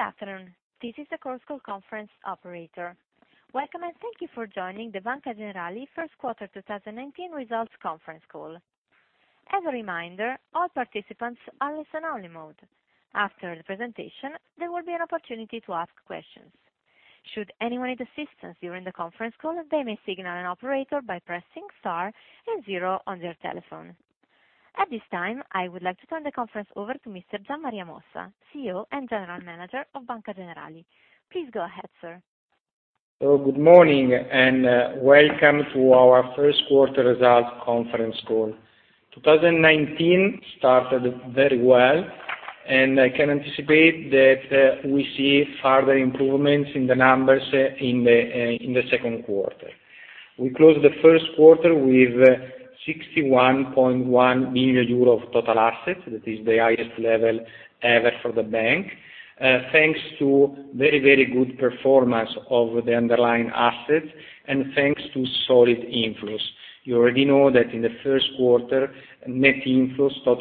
Good afternoon. This is the conference call operator. Welcome, and thank you for joining the Banca Generali first quarter 2019 results conference call. As a reminder, all participants are in listen-only mode. After the presentation, there will be an opportunity to ask questions. Should anyone need assistance during the conference call, they may signal an operator by pressing star and zero on their telephone. At this time, I would like to turn the conference over to Mr. Gian Maria Mossa, CEO and General Manager of Banca Generali. Please go ahead, sir. Good morning. Welcome to our first quarter results conference call. 2019 started very well. I can anticipate that we see further improvements in the numbers in the second quarter. We closed the first quarter with 61.1 billion euro of total assets. That is the highest level ever for the bank, thanks to very good performance of the underlying assets, and thanks to solid inflows. You already know that in the first quarter, total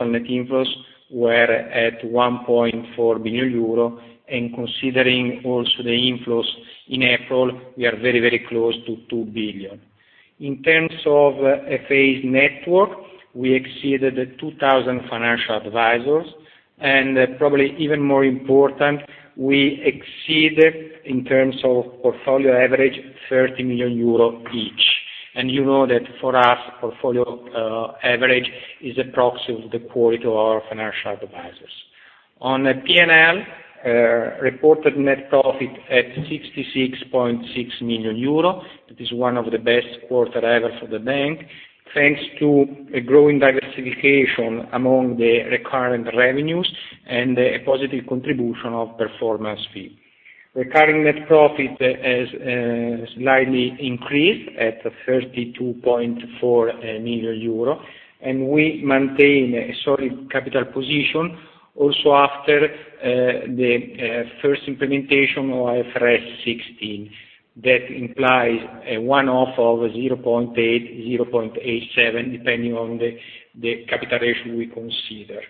net inflows were at 1.4 billion euro. Considering also the inflows in April, we are very close to 2 billion. In terms of a phased network, we exceeded 2,000 financial advisors. Probably even more important, we exceeded, in terms of portfolio average, 30 million euro each. You know that for us, portfolio average is a proxy of the quality of our financial advisors. On P&L, reported net profit at 66.6 million euro. That is one of the best quarter ever for the bank, thanks to a growing diversification among the recurrent revenues and a positive contribution of performance fee. Recurrent net profit has slightly increased at 32.4 million euro. We maintain a solid capital position also after the first implementation of IFRS 16. That implies a one-off of 0.8, 0.87, depending on the capital ratio we consider.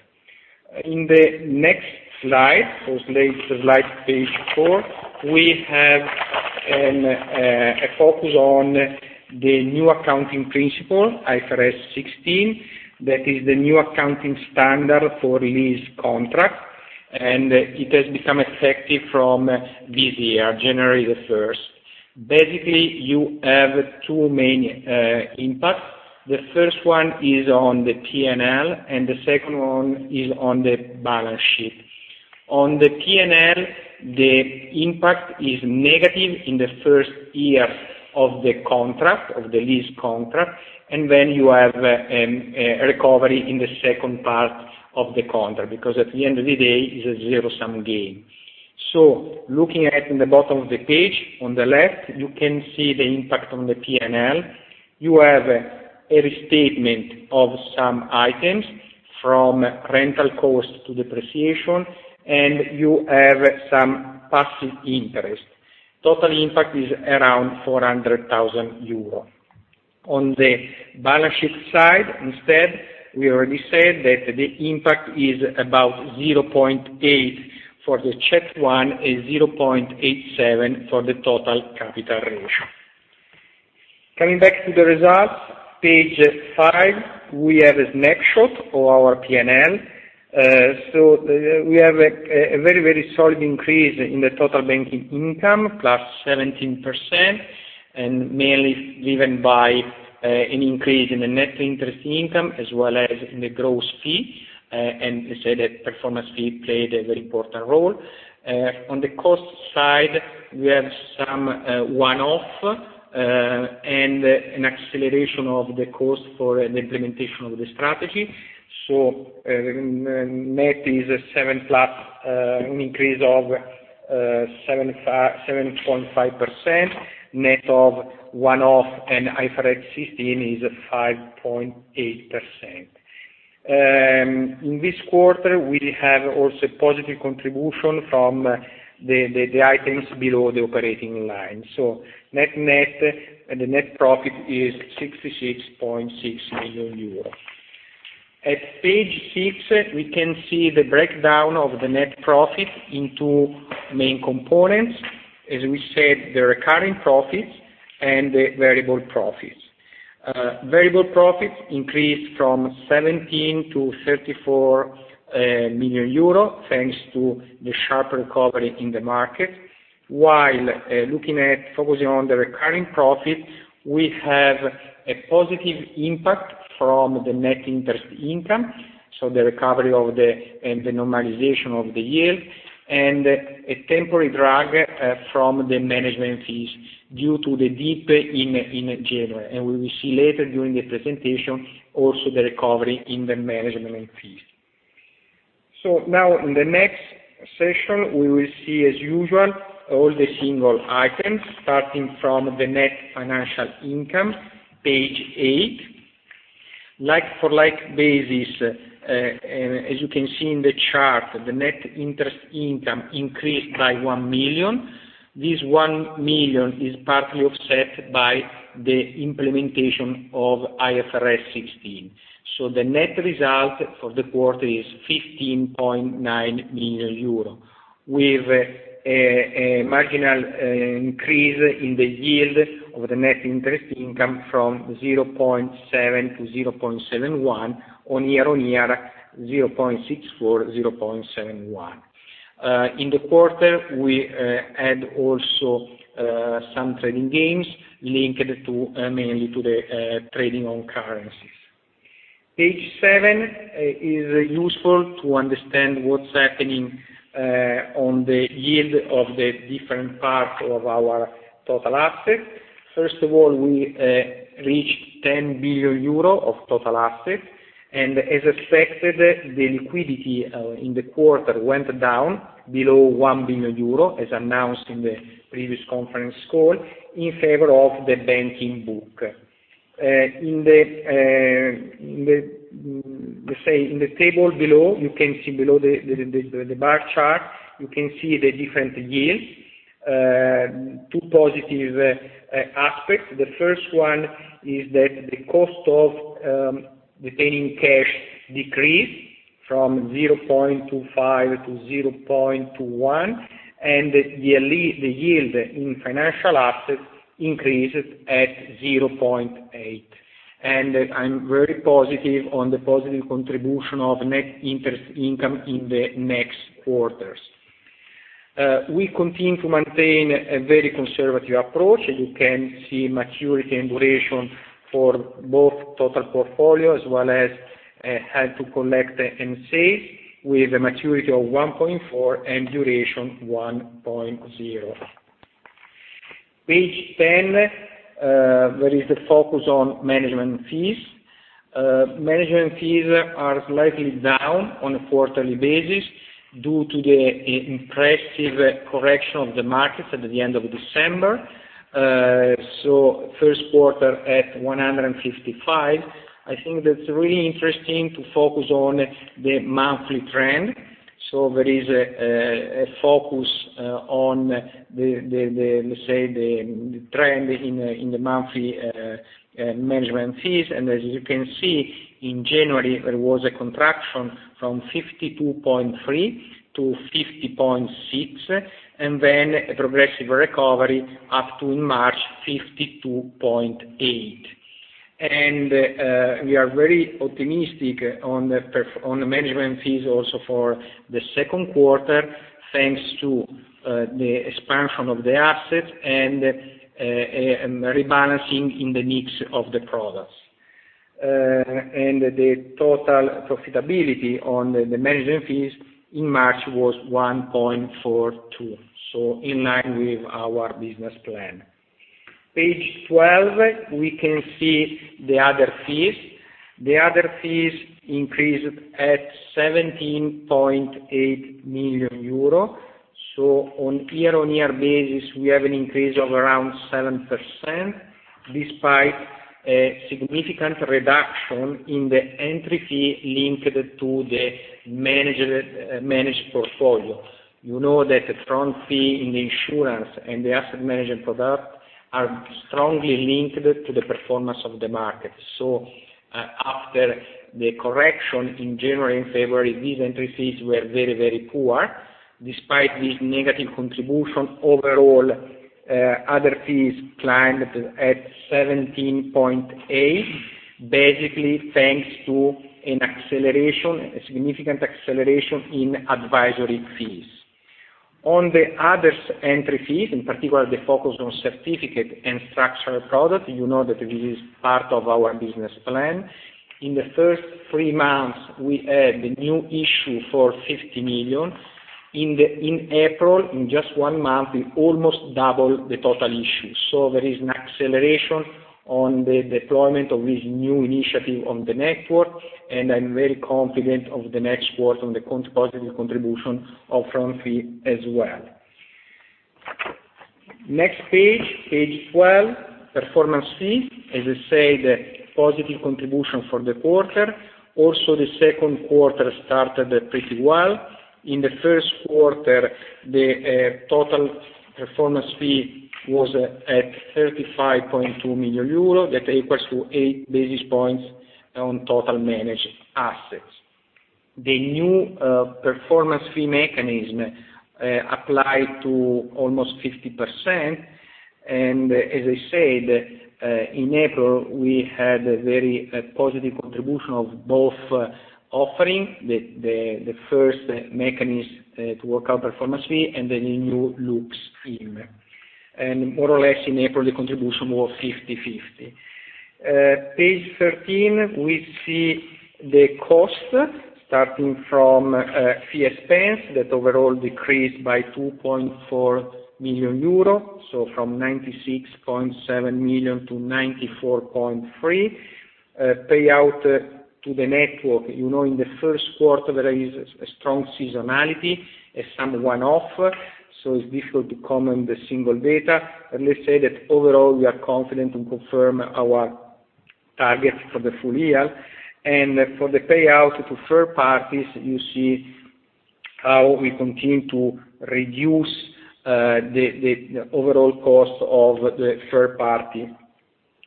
In the next slide, or slide page four, we have a focus on the new accounting principle, IFRS 16. That is the new accounting standard for lease contract. It has become effective from this year, January 1st. Basically, you have two main impacts. The first one is on the P&L. The second one is on the balance sheet. On the P&L, the impact is negative in the first year of the lease contract. Then you have a recovery in the second part of the contract, because at the end of the day, it's a zero-sum game. Looking at in the bottom of the page, on the left, you can see the impact on the P&L. You have a restatement of some items from rental cost to depreciation. You have some passive interest. Total impact is around 400,000 euro. On the balance sheet side, instead, we already said that the impact is about 0.8 for the CET1. 0.87 for the total capital ratio. Coming back to the results, page five, we have a snapshot of our P&L. We have a very solid increase in the total banking income, +17%, mainly driven by an increase in the net interest income, as well as in the gross fee, we say that performance fee played a very important role. On the cost side, we have some one-off, an acceleration of the cost for the implementation of the strategy. Net is an increase of 7.5%, net of one-off and IFRS 16 is 5.8%. In this quarter, we have also positive contribution from the items below the operating line. Net-net, the net profit is 66.6 million euros. At page six, we can see the breakdown of the net profit in two main components. As we said, the recurring profits and the variable profits. Variable profits increased from 17 million to 34 million euro, thanks to the sharp recovery in the market. While focusing on the recurring profit, we have a positive impact from the net interest income, so the recovery and the normalization of the yield, a temporary drag from the management fees due to the dip in January. We will see later during the presentation also the recovery in the management fees. Now in the next session, we will see, as usual, all the single items, starting from the net financial income, page eight. Like-for-like basis, as you can see in the chart, the net interest income increased by 1 million. This 1 million is partly offset by the implementation of IFRS 16. The net result for the quarter is 15.9 million euro with a marginal increase in the yield of the net interest income from 0.7% to 0.71% on year-on-year 0.64%, 0.71%. In the quarter, we had also some trading gains linked mainly to the trading on currencies. Page seven is useful to understand what's happening on the yield of the different parts of our total assets. First of all, we reached 10 billion euro of total assets, as expected, the liquidity in the quarter went down below 1 billion euro, as announced in the previous conference call, in favor of the banking book. In the table below, you can see below the bar chart, you can see the different yields. Two positive aspects. The first one is that the cost of retaining cash decreased from 0.25% to 0.21%, the yield in financial assets increased at 0.8%. I'm very positive on the positive contribution of net interest income in the next quarters. We continue to maintain a very conservative approach. As you can see, maturity and duration for both total portfolio as well as held to collect and safe with a maturity of 1.4 and duration 1.0. Page 10, there is a focus on management fees. Management fees are slightly down on a quarterly basis due to the impressive correction of the markets at the end of December. First quarter at 155 million. I think that's really interesting to focus on the monthly trend. There is a focus on the trend in the monthly management fees. As you can see, in January, there was a contraction from 52.3 million to 50.6 million, then a progressive recovery up to March 52.8 million. We are very optimistic on the management fees also for the second quarter, thanks to the expansion of the assets and rebalancing in the mix of the products. The total profitability on the management fees in March was 1.42%, in line with our business plan. Page 12, we can see the other fees. The other fees increased at 17.8 million euro. On a year-on-year basis, we have an increase of around 7%, despite a significant reduction in the entry fee linked to the managed portfolio. You know that the front fee in the insurance and the asset management product are strongly linked to the performance of the market. After the correction in January and February, these entry fees were very poor. Despite this negative contribution, overall, other fees climbed at 17.8 million, basically thanks to a significant acceleration in advisory fees. On the other entry fees, in particular, the focus on certificate and structural product, you know that this is part of our business plan. In the first three months, we had new issue for 50 million. In April, in just one month, we almost doubled the total issue. There is an acceleration on the deployment of this new initiative on the network, and I'm very confident of the next quarter on the positive contribution of front fee as well. Next page 12, performance fee. As I said, positive contribution for the quarter. Also, the second quarter started pretty well. In the first quarter, the total performance fee was at 35.2 million euro. That equals to eight basis points on total managed assets. The new performance fee mechanism applied to almost 50%, and as I said, in April, we had a very positive contribution of both offering, the first mechanism to work out performance fee, and the new LuxIM. More or less in April, the contribution was 50/50. Page 13, we see the cost starting from fee expense that overall decreased by 2.4 million euro, from 96.7 million to 94.3 million. Payout to the network. You know in the first quarter, there is a strong seasonality, some one-off, it's difficult to comment the single data. Let's say that overall, we are confident to confirm our target for the full year. For the payout to third parties, you see how we continue to reduce the overall cost of the third party,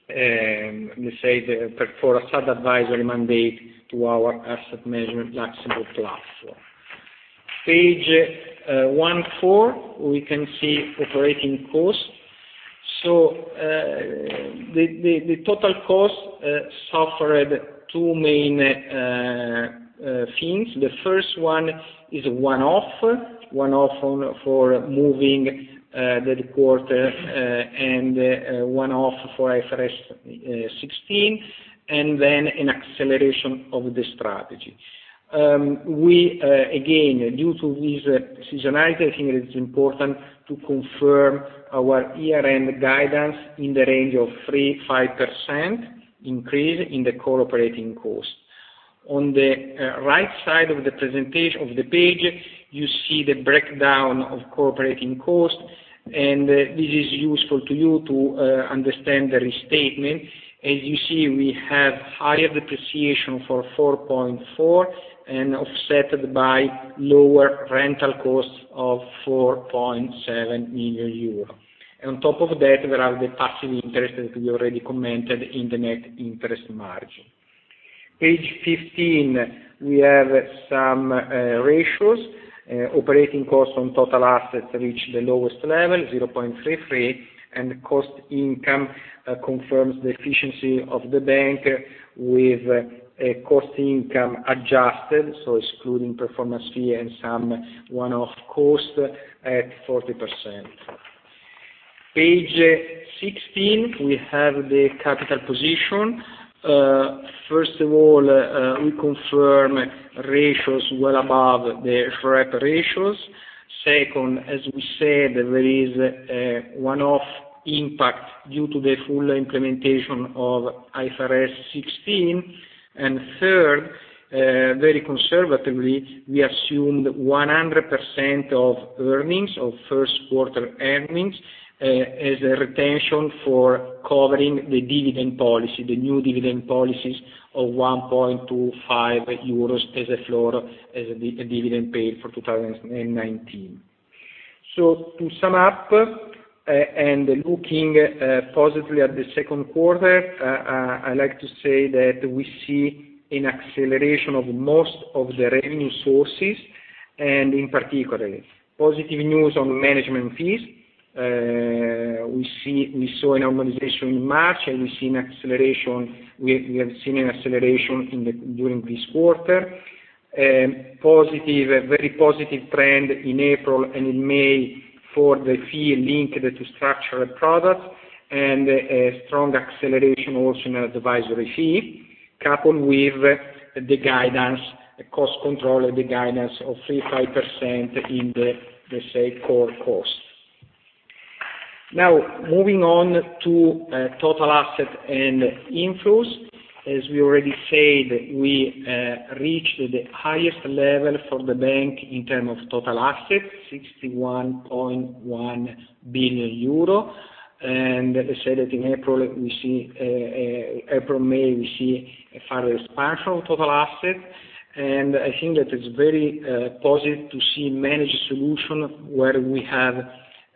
let me say, for a sub advisory mandate to our asset management Nextam platform. Page 14, we can see operating cost. The total cost suffered two main things. The first one is one-off. One-off for moving the quarter and one-off for IFRS 16, then an acceleration of the strategy. Again, due to this seasonality, I think it is important to confirm our year-end guidance in the range of 3%-5% increase in the core operating cost. On the right side of the page, you see the breakdown of core operating cost, this is useful to you to understand the restatement. As you see, we have higher depreciation for 4.4 million and offset by lower rental costs of 4.7 million euro. On top of that, there are the passive interests that we already commented in the net interest margin. Page 15, we have some ratios. Operating costs on total assets reach the lowest level, 0.33%, cost income confirms the efficiency of the bank with a cost income adjusted, excluding performance fee and some one-off cost at 40%. Page 16, we have the capital position. First of all, we confirm ratios well above the SREP ratios. As we said, there is a one-off impact due to the full implementation of IFRS 16. Third, very conservatively, we assumed 100% of earnings, of first quarter earnings, as a retention for covering the dividend policy, the new dividend policies of 1.25 euros as a floor, as a dividend paid for 2019. To sum up, looking positively at the second quarter, I like to say that we see an acceleration of most of the revenue sources, in particular, positive news on management fees. We saw a normalization in March, we have seen an acceleration during this quarter. Very positive trend in April in May for the fee linked to structured products, a strong acceleration also in advisory fee, coupled with the guidance, the cost control, the guidance of 3%-5% in the safe core cost. Moving on to total asset and inflows. As we already said, we reached the highest level for the bank in terms of total assets, 61.1 billion euro. I said that in April, May, we see a further expansion of total assets. I think that it's very positive to see managed solutions where we have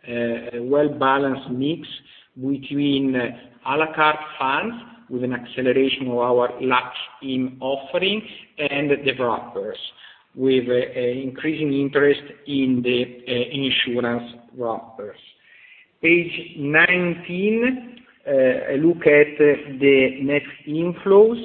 a well-balanced mix between à la carte funds, with an acceleration of our LuxIM offering, the wrappers, with increasing interest in the insurance wrappers. Page 19, look at the net inflows.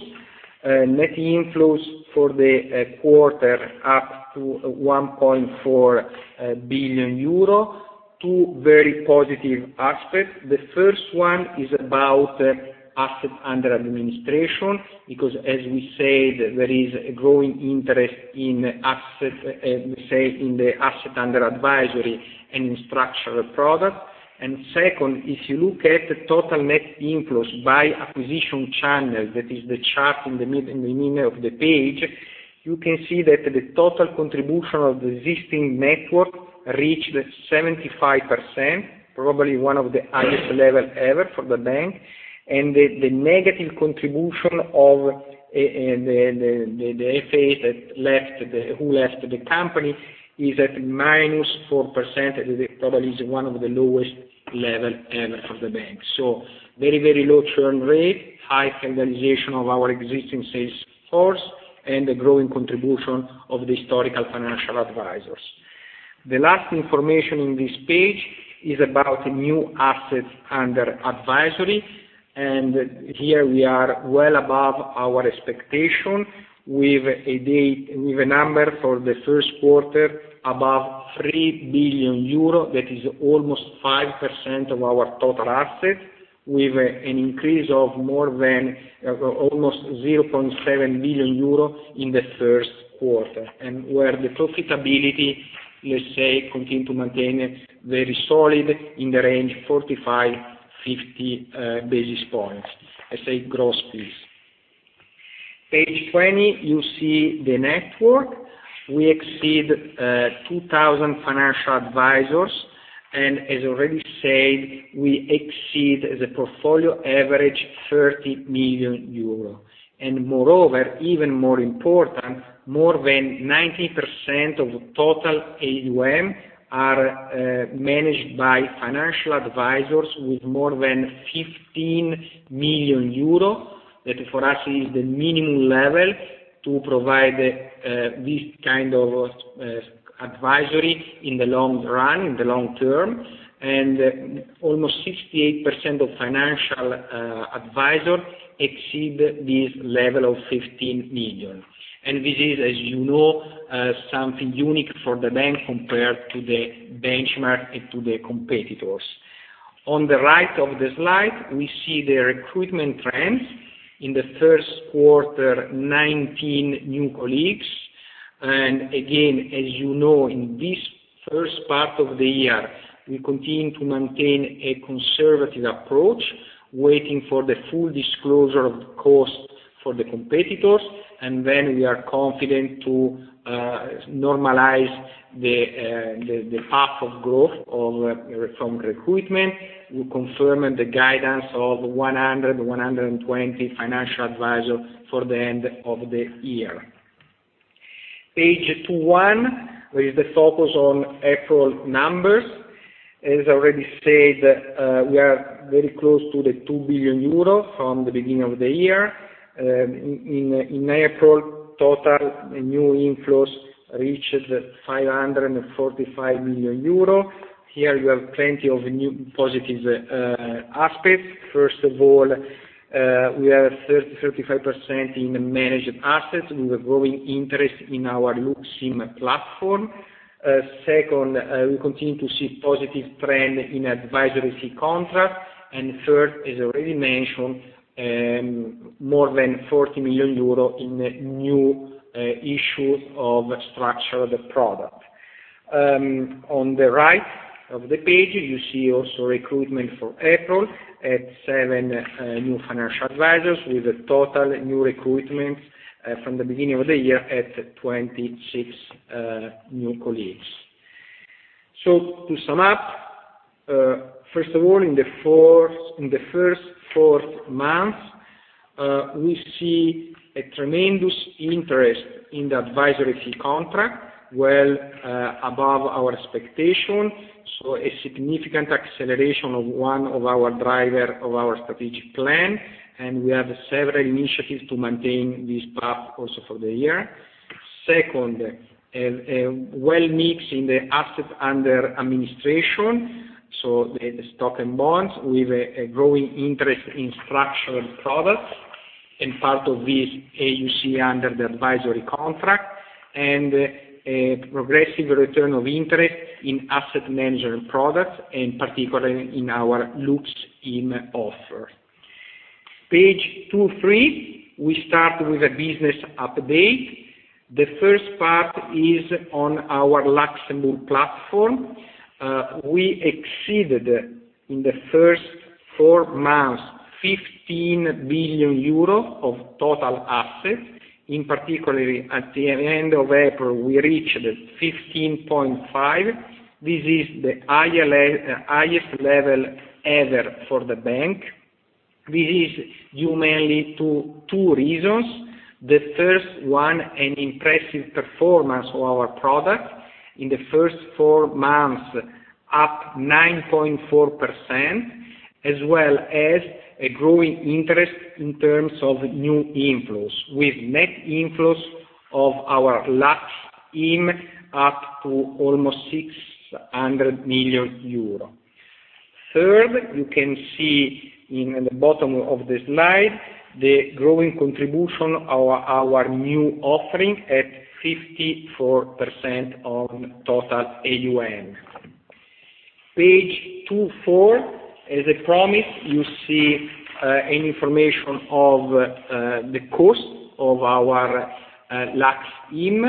Net inflows for the quarter up to 1.4 billion euro. Two very positive aspects. The first one is about assets under administration, because as we said, there is a growing interest in the assets under advisory and in structured products. Second, if you look at total net inflows by acquisition channel, that is the chart in the middle of the page, you can see that the total contribution of the existing network reached 75%, probably one of the highest levels ever for the bank. The negative contribution of the FA who left the company is at -4%, probably is one of the lowest levels ever for the bank. Very low churn rate, high standardization of our existing sales force, the growing contribution of the historical financial advisors. The last information on this page is about new assets under advisory, here we are well above our expectation with a number for the first quarter above 3 billion euro, that is almost 5% of our total assets, with an increase of almost 0.7 billion euro in the first quarter. Where the profitability, let's say, continues to maintain very solid in the range 45-50 basis points as a gross fees. Page 20, you see the network. We exceed 2,000 financial advisors, as already said, we exceed the portfolio average 30 million euro. Moreover, even more important, more than 90% of total AUM are managed by financial advisors with more than 15 million euro. That, for us, is the minimum level to provide this kind of advisory in the long run, in the long term. Almost 68% of financial advisors exceed this level of 15 million. This is, as you know, something unique for the bank compared to the benchmark and to the competitors. On the right of the slide, we see the recruitment trends. In the first quarter, 19 new colleagues. Again, as you know, in this first part of the year, we continue to maintain a conservative approach, waiting for the full disclosure of the cost for the competitors, then we are confident to normalize the path of growth from recruitment. We confirm the guidance of 100-120 financial advisors for the end of the year. Page 21 is the focus on April numbers. As I already said, we are very close to 2 billion euro from the beginning of the year. In April, total new inflows reached 545 million euro. Here you have plenty of new positive aspects. First of all, we are 35% in managed assets with a growing interest in our LuxIM platform. Second, we continue to see positive trend in advisory fee contract. Third, as already mentioned, more than 40 million euro in new issue of structured product. On the right of the page, you see also recruitment for April at seven new financial advisors, with total new recruitments from the beginning of the year at 26 new colleagues. To sum up, first of all, in the first four months, we see a tremendous interest in the advisory fee contract, well above our expectation, a significant acceleration of one of our driver of our strategic plan. We have several initiatives to maintain this path also for the year. Second, a well-mix in the assets under administration, so the stock and bonds, with a growing interest in structured products. Part of this, you see under the advisory contract. A progressive return of interest in asset management products, particularly in our LuxIM offer. Page 23, we start with a business update. The first part is on our Luxembourg platform. We exceeded, in the first four months, 15 billion euro of total assets. In particular, at the end of April, we reached 15.5 billion. This is the highest level ever for the bank. This is due mainly to two reasons. The first one, an impressive performance of our product. In the first four months, up 9.4%, as well as a growing interest in terms of new inflows, with net inflows of our LuxIM up to almost 600 million euro. Third, you can see in the bottom of the slide, the growing contribution of our new offering at 54% on total AUM. Page 24, as I promised, you see an information of the cost of our LuxIM.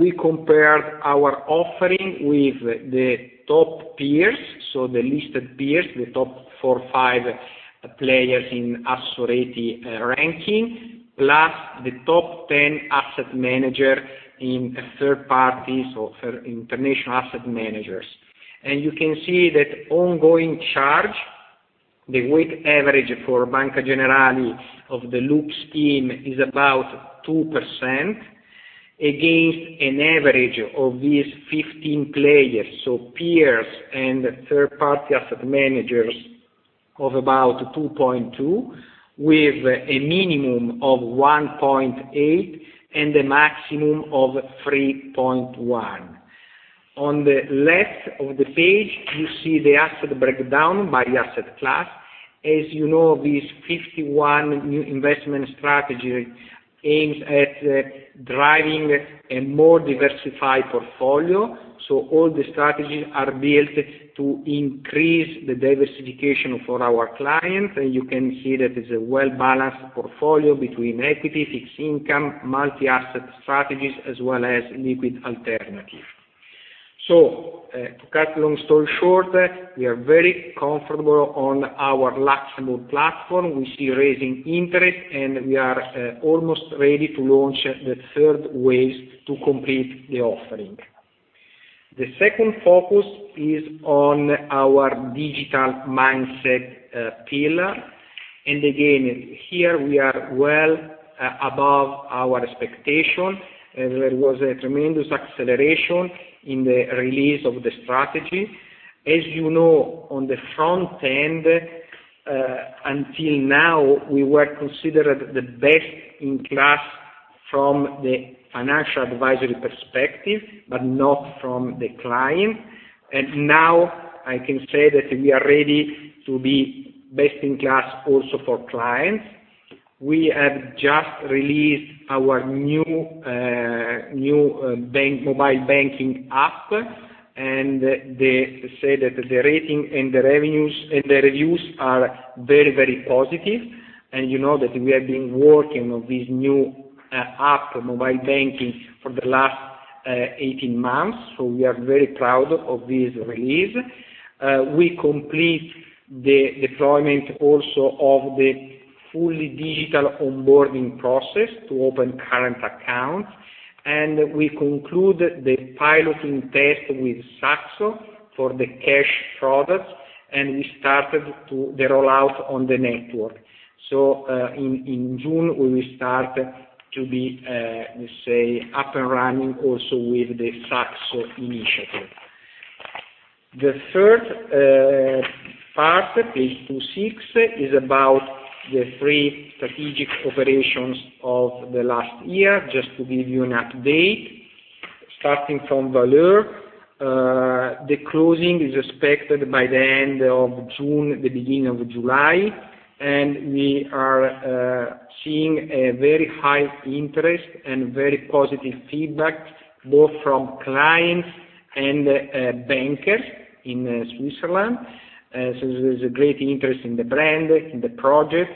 We compared our offering with the top peers, so the listed peers, the top four, five players in Assoreti ranking, plus the top 10 asset managers in third parties or international asset managers. You can see that ongoing charge, the weight average for Banca Generali of the LuxIM is about 2%, against an average of these 15 players, so peers and third-party asset managers, of about 2.2%, with a minimum of 1.8% and a maximum of 3.1%. On the left of the page, you see the asset breakdown by asset class. As you know, these 51 new investment strategies aims at driving a more diversified portfolio. All the strategies are built to increase the diversification for our clients. You can see that it's a well-balanced portfolio between equity, fixed income, multi-asset strategies, as well as liquid alternatives. To cut the long story short, we are very comfortable on our LuxIM platform. We see raising interest, we are almost ready to launch the third wave to complete the offering. The second focus is on our digital mindset pillar. Again, here we are well above our expectation. There was a tremendous acceleration in the release of the strategy. As you know, on the front end, until now, we were considered the best in class from the financial advisory perspective, but not from the client. Now I can say that we are ready to be best in class also for clients. We have just released our new mobile banking app. They say that the rating and the reviews are very positive. You know that we have been working on this new app mobile banking for the last 18 months. We are very proud of this release. We complete the deployment also of the fully digital onboarding process to open current accounts. We conclude the piloting test with Saxo for the cash product. We started the rollout on the network. In June, we will start to be up and running also with the Saxo initiative. The third part, page 26, is about the three strategic operations of the last year, just to give you an update. Starting from Valeur, the closing is expected by the end of June, the beginning of July. We are seeing a very high interest and very positive feedback, both from clients and bankers in Switzerland. There's a great interest in the brand, in the project.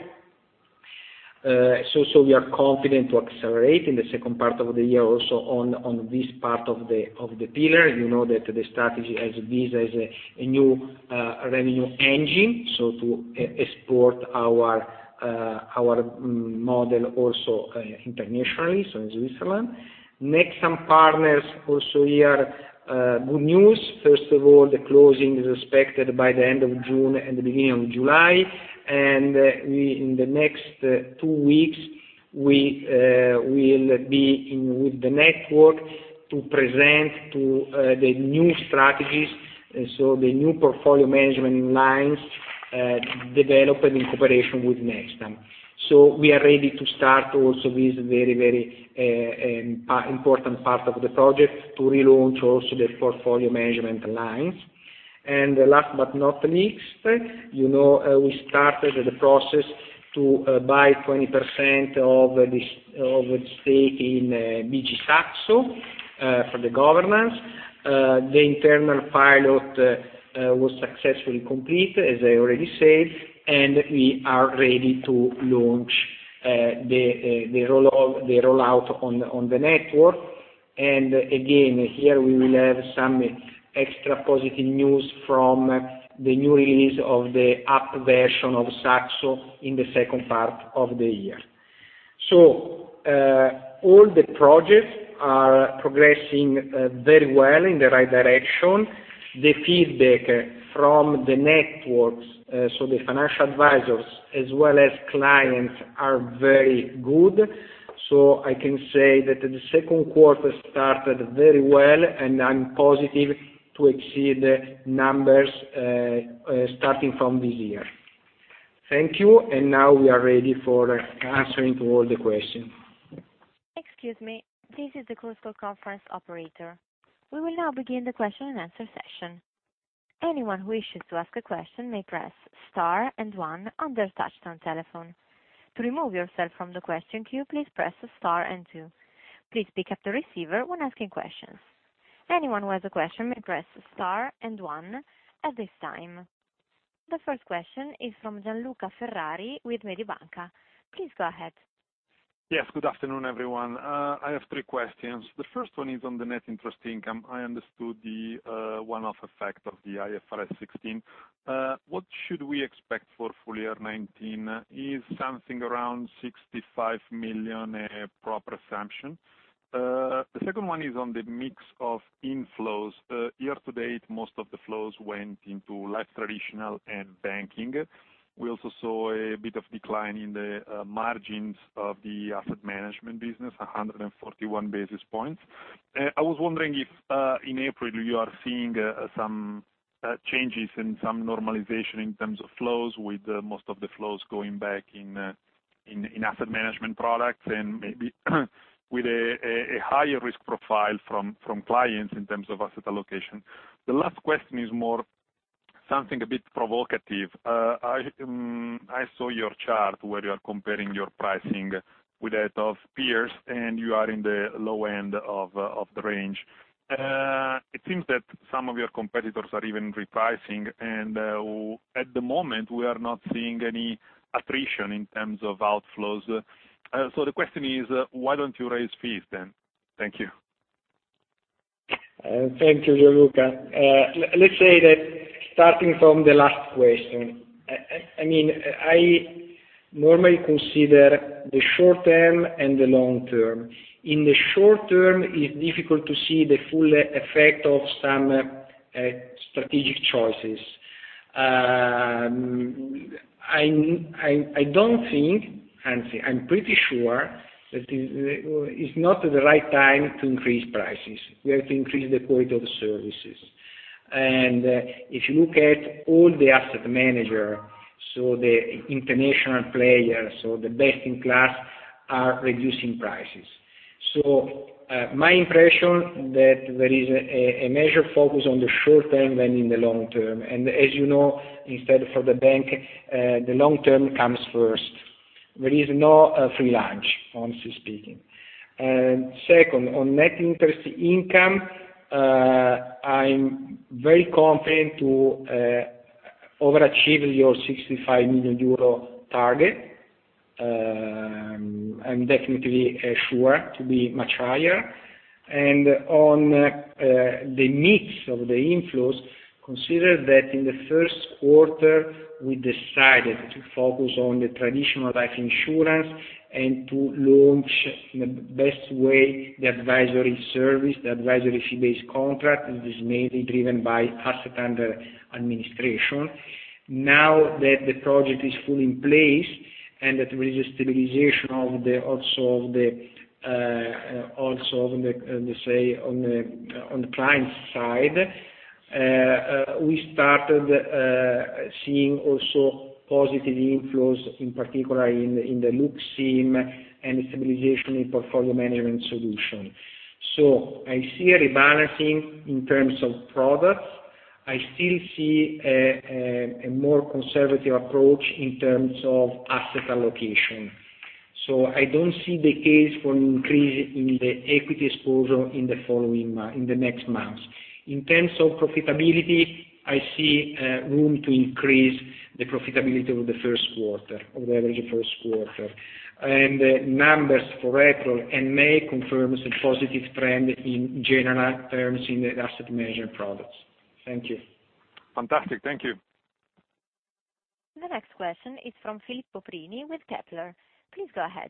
We are confident to accelerate in the second part of the year also on this part of the pillar. You know that the strategy has this as a new revenue engine, to export our model also internationally, in Switzerland. Nextam Partners also here, good news. First of all, the closing is expected by the end of June and the beginning of July. In the next two weeks, we will be in with the network to present the new strategies, the new portfolio management lines developed in cooperation with Nextam. We are ready to start also this very important part of the project to relaunch also the portfolio management lines. Last but not least, we started the process to buy 20% of the stake in BG Saxo for the governance. The internal pilot was successfully complete, as I already said. We are ready to launch the rollout on the network. Again, here we will have some extra positive news from the new release of the app version of Saxo in the second part of the year. All the projects are progressing very well in the right direction. The feedback from the networks, the financial advisors as well as clients, are very good. I can say that the second quarter started very well. I'm positive to exceed numbers starting from this year. Thank you. Now we are ready for answering to all the questions. Excuse me, this is the close call conference operator. We will now begin the question and answer session. Anyone who wishes to ask a question may press star and one on their touchtone telephone. To remove yourself from the question queue, please press star and two. Please pick up the receiver when asking questions. Anyone who has a question may press star and one at this time. The first question is from Gianluca Ferrari with Mediobanca. Please go ahead. Yes, good afternoon, everyone. I have three questions. The first one is on the net interest income. I understood the one-off effect of the IFRS 16. What should we expect for full year 2019? Is something around 65 million a proper assumption? The second one is on the mix of inflows. Year to date, most of the flows went into less traditional and banking. We also saw a bit of decline in the margins of the asset management business, 141 basis points. I was wondering if in April you are seeing some changes and some normalization in terms of flows with most of the flows going back in asset management products and maybe with a higher risk profile from clients in terms of asset allocation. The last question is more something a bit provocative. I saw your chart where you are comparing your pricing with that of peers, and you are in the low end of the range. It seems that some of your competitors are even repricing, and at the moment, we are not seeing any attrition in terms of outflows. The question is, why don't you raise fees then? Thank you. Thank you, Gianluca. Let's say that starting from the last question, I normally consider the short term and the long term. In the short term, it's difficult to see the full effect of some strategic choices. I'm pretty sure that it's not the right time to increase prices. We have to increase the quality of services. If you look at all the asset manager, so the international players, so the best in class, are reducing prices. My impression that there is a major focus on the short term than in the long term, and as you know, instead for the bank, the long term comes first. There is no free lunch, honestly speaking. Second, on net interest income, I'm very confident to overachieve your 65 million euro target. I'm definitely sure to be much higher. On the mix of the inflows, consider that in the first quarter, we decided to focus on the traditional life insurance and to launch in the best way the advisory service, the advisory fee-based contract, which is mainly driven by asset under administration. Now that the project is fully in place, and that there is a stabilization also on the client side, we started seeing also positive inflows, in particular in the LuxIM and stabilization in portfolio management solution. I see a rebalancing in terms of products. I still see a more conservative approach in terms of asset allocation. I don't see the case for an increase in the equity exposure in the next months. In terms of profitability, I see room to increase the profitability of the average first quarter. The numbers for April and May confirms a positive trend in general terms in the asset management products. Thank you. Fantastic. Thank you. The next question is from Filippo Prini with Kepler. Please go ahead.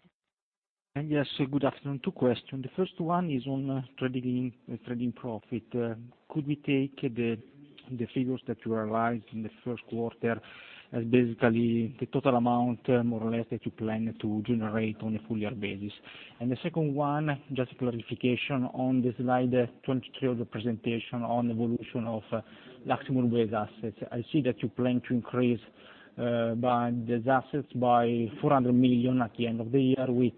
Yes, good afternoon. Two questions. The first one is on trading profit. Could we take the figures that you realized in the first quarter as basically the total amount, more or less, that you plan to generate on a full year basis? The second one, just clarification on the slide 23 of the presentation on evolution of LuxIM weighted assets. I see that you plan to increase these assets by 400 million at the end of the year, with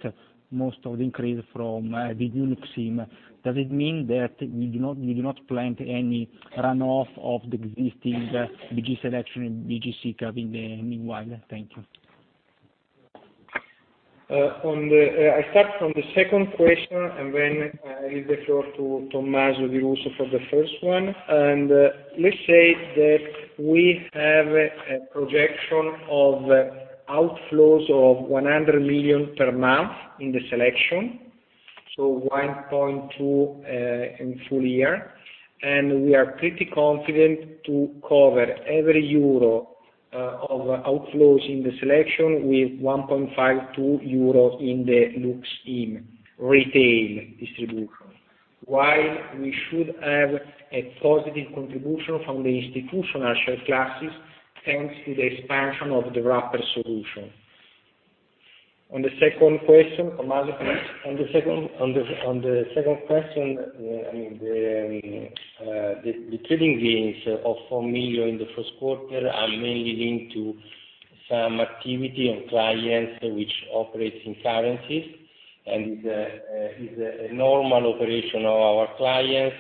most of the increase from LuxIM. Does it mean that you do not plan any runoff of the existing BG Selection and BG Sicav in the meanwhile? Thank you. I start from the second question, I leave the floor to Tommaso Di Russo for the first one. Let's say that we have a projection of outflows of 100 million per month in the selection, 1.2 billion in full year. We are pretty confident to cover every euro of outflows in the selection with 1.52 euro in the LuxIM retail distribution, while we should have a positive contribution from the institutional share classes, thanks to the expansion of the wrapper solution. On the second question, Tommaso? On the second question, the trading gains of 4 million in the first quarter are mainly linked to some activity on clients which operates in currencies, it's a normal operation of our clients.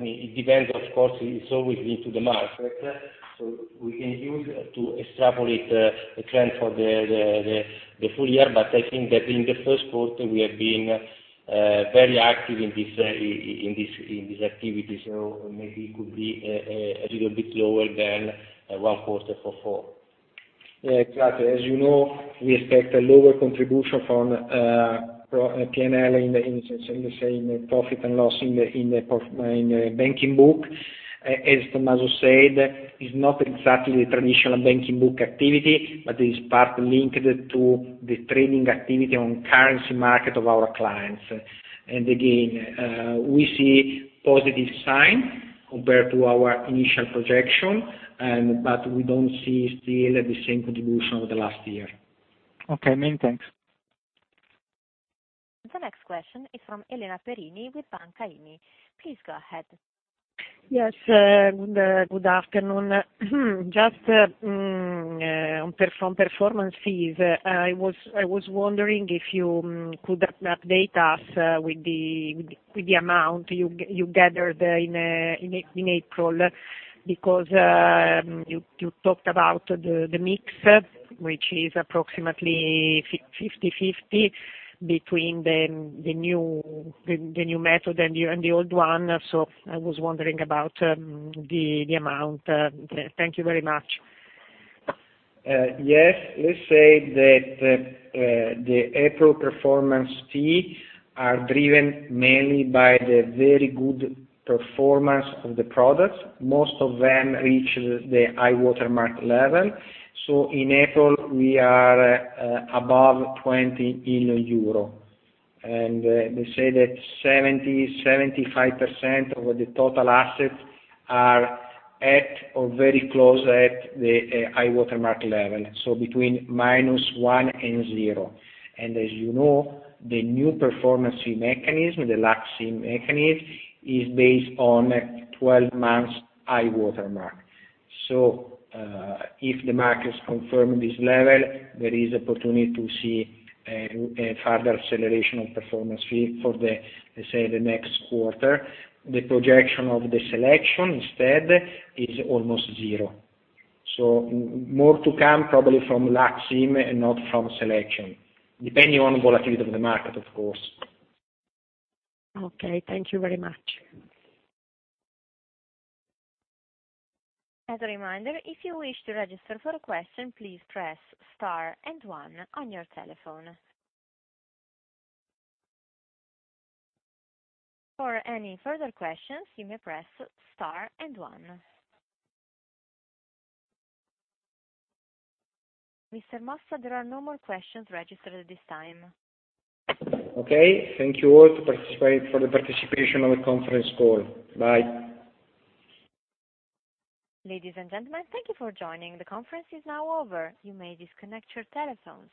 It depends, of course, it's always linked to the market, so we can use to extrapolate the trend for the full year. I think that in the first quarter, we have been very active in this activity. Maybe it could be a little bit lower than one quarter for four. Exactly. As you know, we expect a lower contribution from P&L, in the profit and loss in the banking book. As Tommaso said, it's not exactly traditional banking book activity, is partly linked to the trading activity on currency market of our clients. Again, we see positive sign compared to our initial projection, we don't see still the same contribution of the last year. Okay, many thanks. The next question is from Elena Perini with Banca IMI. Please go ahead. Yes, good afternoon. Just on performance fees, I was wondering if you could update us with the amount you gathered in April, because you talked about the mix, which is approximately 50/50 between the new method and the old one. I was wondering about the amount. Thank you very much. Yes. Let's say that the April performance fee are driven mainly by the very good performance of the products. Most of them reach the high-water mark level. In April, we are above 20 million euro, and they say that 70%-75% of the total assets are at or very close at the high-water mark level. Between minus one and zero. As you know, the new performance fee mechanism, the LuxIM mechanism, is based on 12 months high-water mark. If the markets confirm this level, there is opportunity to see a further acceleration of performance fee for the next quarter. The projection of the BG Selection instead is almost zero. More to come probably from LuxIM and not from BG Selection, depending on volatility of the market, of course. Okay. Thank you very much. As a reminder, if you wish to register for a question, please press star and one on your telephone. For any further questions, you may press star and one. Mr. Mossa, there are no more questions registered at this time. Okay. Thank you all for the participation on the conference call. Bye. Ladies and gentlemen, thank you for joining. The conference is now over. You may disconnect your telephones.